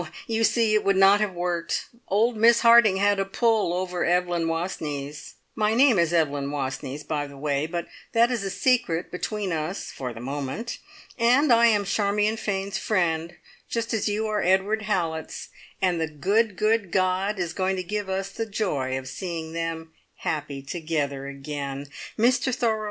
you see it would not have worked. Old Miss Harding had a pull over Evelyn Wastneys. My name is Evelyn Wastneys, by the way, but that is a secret between us for the moment. And I am Charmion Fane's friend, just as you are Edward Hallett's, and the good, good God is going to give us the joy of seeing them happy together again. Mr Thorold!